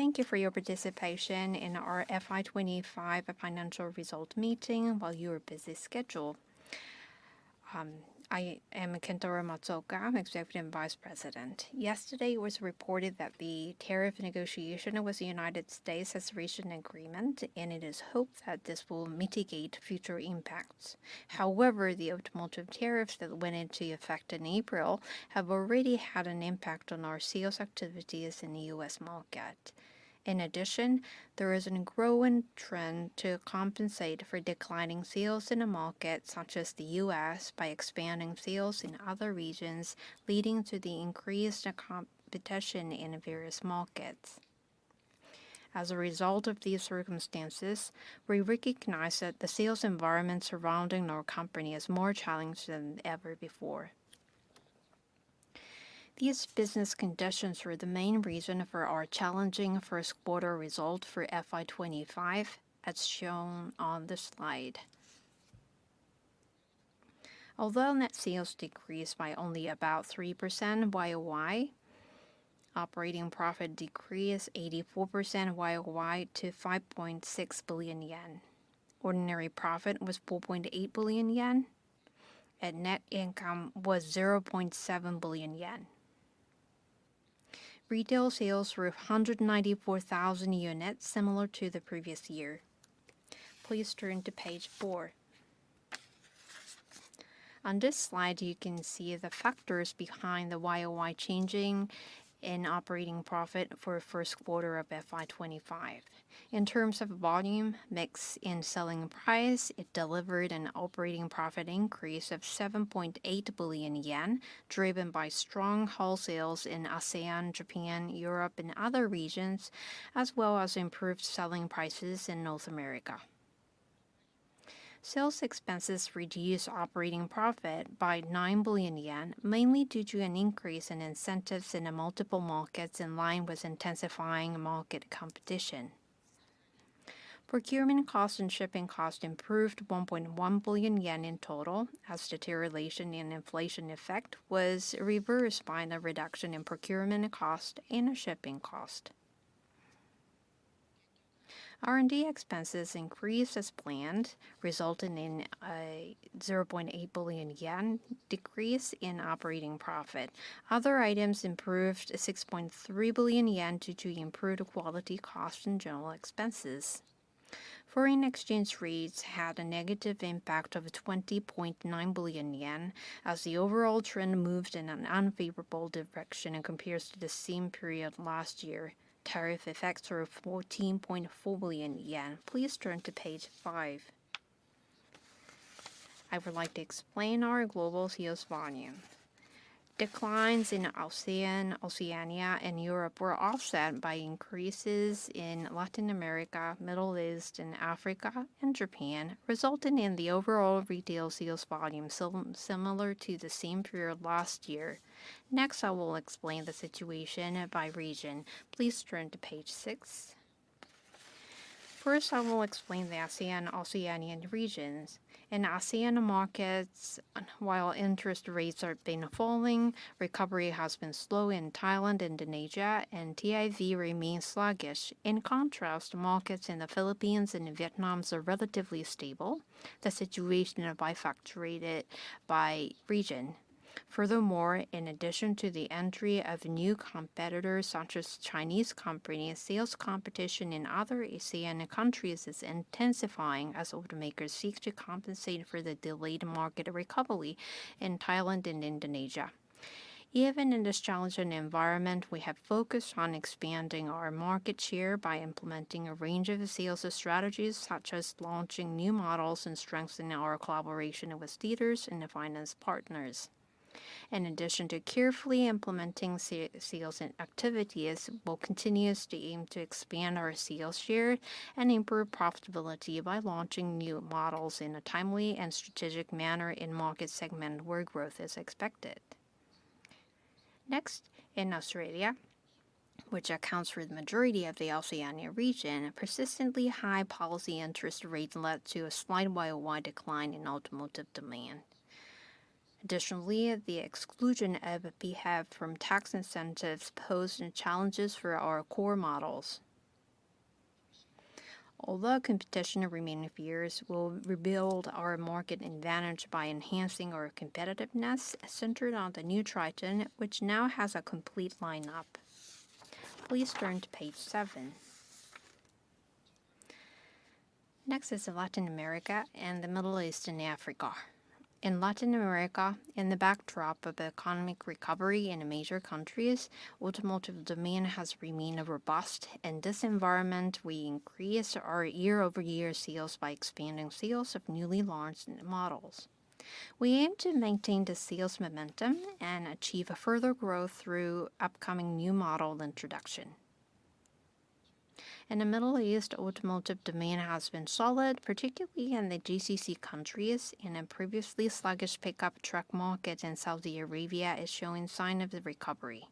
Thank you for your participation in our FY twenty twenty five Financial Results Meeting and while you are busy schedule. I am Kentora Matsuka, I'm Executive Vice President. Yesterday, it was reported that the tariff negotiation with The United States has reached an agreement and it is hoped that this will mitigate future impacts. However, the automotive tariffs that went into effect in April have already had an impact on our sales activities in The U. S. Market. In addition, there is a growing trend to compensate for declining sales in the market such as The U. S. By expanding sales in other regions leading to the increased competition in various markets. As a result of these circumstances, we recognize that the sales environment surrounding our company is more challenged than ever before. These business conditions were the main reason for our challenging first quarter result for FY 2025 as shown on this slide. Although net sales decreased by only about 3% Y o Y, operating profit decreased 84% Y o Y to 5,600,000,000.0 yen Ordinary profit was 4,800,000,000.0 yen and net income was 0.7 billion yen. Retail sales were 194000 units similar to the previous year. Please turn to Page four. On this slide, you can see the factors behind the Y o Y changing in operating profit for first quarter of FY twenty twenty five. In terms of volume mix and selling price, it delivered an operating profit increase of 7,800,000,000.0 yen driven by strong haul sales in ASEAN, Japan, Europe and other regions as well as improved selling prices in North America. Sales expenses reduced operating profit by 9,000,000,000 yen mainly due to an increase in incentives in the multiple markets in line with intensifying market competition. Procurement cost and shipping cost improved 1,100,000,000.0 yen in total as deterioration in inflation effect was reversed by the reduction in procurement cost and shipping cost. R and D expenses increased as planned resulting in a 0.8 billion yen decrease in operating profit. Other items improved 6.3 billion yen due to improved quality cost and general expenses. Foreign exchange rates had a negative impact of 20,900,000,000.0 yen as the overall trend moved in an unfavorable direction and compares to the same period last year. Tariff effects were 14,400,000,000.0 yen Please turn to Page five. I would like to explain our global sales volume. Declines in Oceania and Europe were offset by increases in Latin America, Middle East and Africa and Japan resulting in the overall retail sales volume similar to the same period last year. Next, I will explain the situation by region. Please turn to Page six. First, I will explain the ASEAN and ASEAN regions. In ASEAN markets, while interest rates have been falling, recovery has been slow in Thailand, Indonesia and TIV remains sluggish. In contrast, markets in The Philippines and Vietnam are relatively stable. The situation by region. Furthermore, in addition to the entry of new competitors such as Chinese companies, sales competition in other Asian countries is intensifying as automakers seek to compensate for the delayed market recovery in Thailand and Indonesia. Even in this challenging environment, we have focused on expanding our market share by implementing a range of the sales strategies such as launching new models and strengthening our collaboration with theaters and the finance partners. In addition to carefully implementing sales activities, we'll continue to aim to expand our sales share and improve profitability by launching new models in a timely and strategic manner in market segment where growth is expected. Next, in Australia, which accounts for the majority of the Oceania region, persistently high policy interest rates led to a slight Y o Y decline in automotive demand. Additionally, the exclusion of behalf from tax incentives posed challenges for our core models. Although competition in the remaining years will rebuild our market advantage by enhancing our competitiveness centered on the new Triton, which now has a complete lineup. Please turn to Page seven. Next is Latin America and The Middle East and Africa. In Latin America, in the backdrop of the economic recovery in the major countries, automotive demand has remained robust. In this environment, we increased our year over year sales by expanding sales of newly launched models. We aim to maintain the sales momentum and achieve further growth through upcoming new model introduction. In The Middle East, automotive demand has been solid particularly in the GCC countries and a previously sluggish pickup truck market in Saudi Arabia is showing sign of the recovery.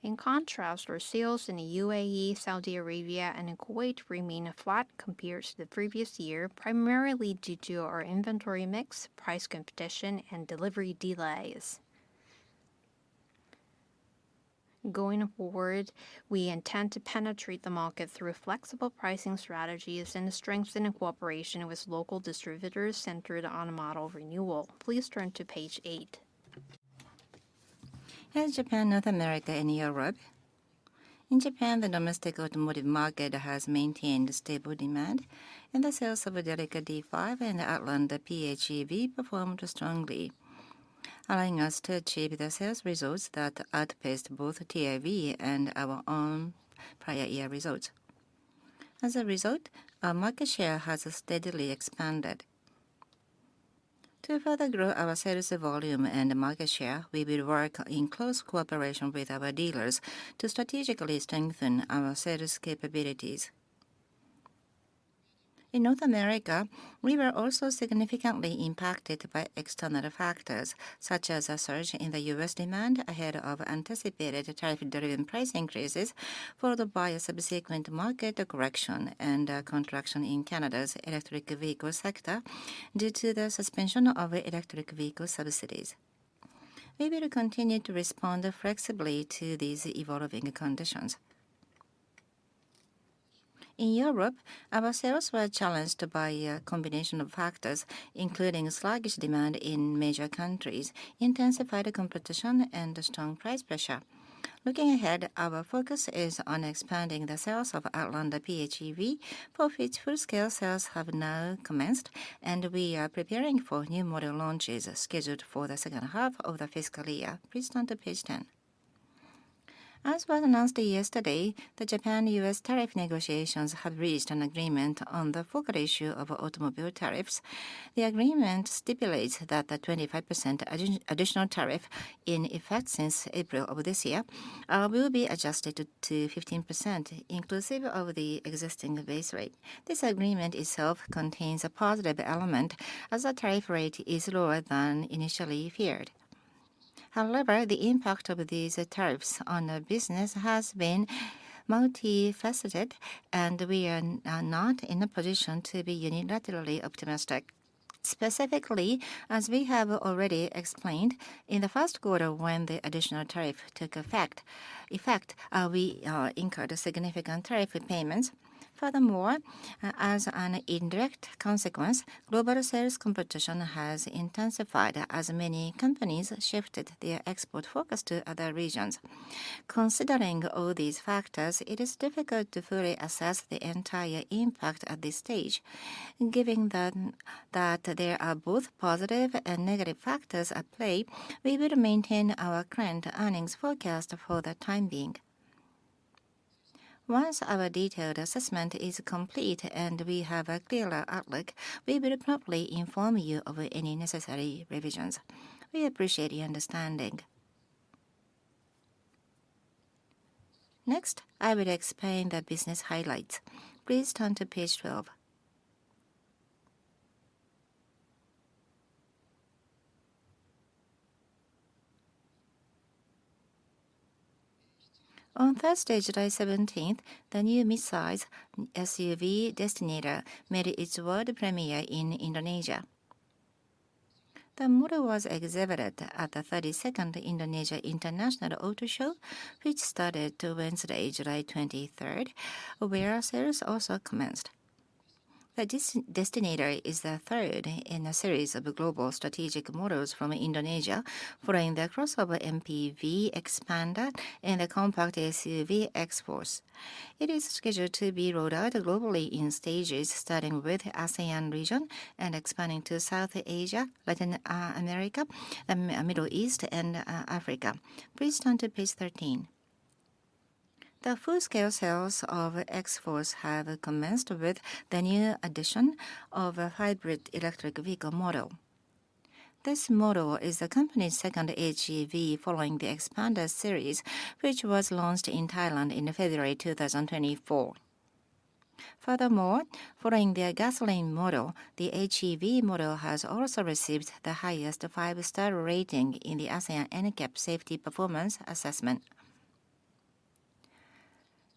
In contrast, our sales in The UAE, Saudi Arabia and Kuwait remain flat compared to the previous year primarily due to our inventory mix, price competition and delivery delays. Going forward, we intend to penetrate the market through flexible pricing strategies and strengthen in cooperation with local distributors centered on a model renewal. Please turn to Page eight. In Japan, North America and Europe, in Japan, the domestic automotive market has maintained stable demand and the sales of the DELICA D5 and Outland PHEV performed strongly, allowing us to achieve the sales results that outpaced both TIV and our own prior year results. As a result, our market share has steadily expanded. To further grow our sales volume and market share, we will work in close cooperation with our dealers to strategically strengthen our sales capabilities. In North America, we were also significantly impacted by external factors such as a surge in The U. S. Demand ahead of anticipated tariff driven price increases followed by a subsequent market correction and contraction in Canada's electric vehicle sector due to the suspension of electric vehicle subsidies. We will continue to respond flexibly to these evolving conditions. In Europe, our sales were challenged by a combination of factors, including sluggish demand in major countries, intensified competition and strong price pressure. Looking ahead, our focus is on expanding the sales of Outlander PHEV for which full scale sales have now commenced and we are preparing for new model launches scheduled for the second half of the fiscal year. Please turn to Page 10. As was announced yesterday, the Japan U. S. Tariff negotiations have reached an agreement on the focal issue of automobile tariffs. The agreement stipulates that the 25% additional tariff in effect since April will be adjusted to 15% inclusive of the existing base rate. This agreement itself contains a positive element as the tariff rate is lower than initially feared. However, the impact of these tariffs on the business has been multifaceted and we are not in a position to be unilaterally optimistic. Specifically, as we have already explained, in the first quarter when the additional tariff took effect, we incurred a significant tariff payments. Furthermore, as an indirect consequence, global sales competition has intensified as many companies shifted their export focus to other regions. Considering all these factors, it is difficult to fully assess the entire impact at this stage. And given that there are both positive and negative factors at play, we will maintain our current earnings forecast for the time being. Once our detailed assessment is complete and we have a clearer outlook, we will promptly inform you of any necessary revisions. We appreciate the understanding. Next, I will explain the business highlights. Please turn to Page 12. On Thursday, July 17, the new midsize SUV Destinator made its world premier in Indonesia. The model was exhibited at the thirty second Indonesia International Auto Show, which started to Wednesday, July 23, where sales also commenced. The Destinator is the third in a series of global strategic models from Indonesia, following the crossover MPV Expander and the compact SUV exports. It is scheduled to be rolled out globally in stages starting with ASEAN region and expanding to South Asia, Latin America, Middle East and Africa. Please turn to Page 13. The full scale sales of X Force have commenced with the new addition of a hybrid electric vehicle model. This model is the company's second HEV following the Expander series, which was launched in Thailand in February 2024. Furthermore, following their gasoline model, the HEV model has also received the highest five star rating in the ASEAN EnCap Safety Performance Assessment.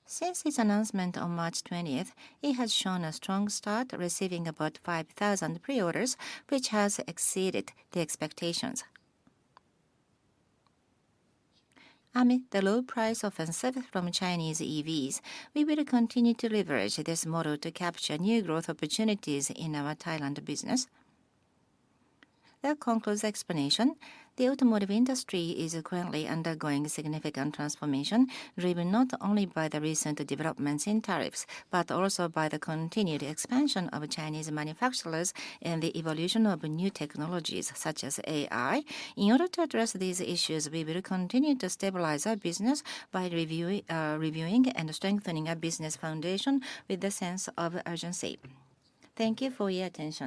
Since its announcement on March 20, it has shown a strong start receiving about 5,000 preorders, which has exceeded the expectations. Amid the low price of incentive from Chinese EVs, we will continue to leverage this model to capture new growth opportunities in our Thailand business. That concludes the explanation. The automotive industry is currently undergoing significant transformation driven not only by the recent developments in tariffs, but also by the continued expansion of Chinese manufacturers and the evolution of new technologies such as AI. In order to address these issues, we will continue to stabilize our business by reviewing and strengthening our business foundation with a sense of urgency. Thank you for your attention.